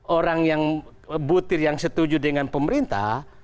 orang yang butir yang setuju dengan pemerintah